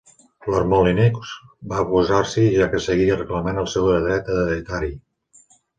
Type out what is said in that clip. Lord Molyneux va oposar-s'hi, ja que seguia reclamant el seu dret hereditari.